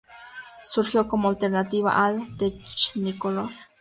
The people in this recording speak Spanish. Surgió como alternativa al Technicolor.